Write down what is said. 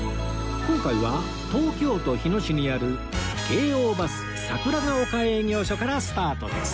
今回は東京都日野市にある京王バス桜ヶ丘営業所からスタートです